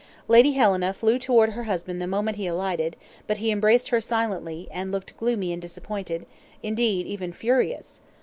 Lady Helena flew toward her husband the moment he alighted; but he embraced her silently, and looked gloomy and disappointed indeed, even furious.